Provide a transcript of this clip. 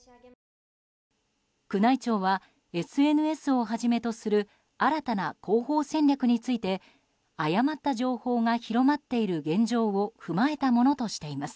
宮内庁は、ＳＮＳをはじめとする新たな広報戦略について誤った情報が広まっている現状を踏まえたものとしています。